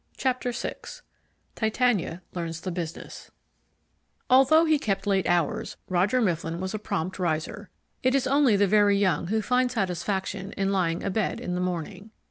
Chapter VI Titania Learns the Business Although he kept late hours, Roger Mifflin was a prompt riser. It is only the very young who find satisfaction in lying abed in the morning.